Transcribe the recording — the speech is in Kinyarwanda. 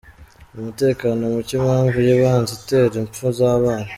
Umutekano muke, impamvu y’ibanze itera impfu z’abana :.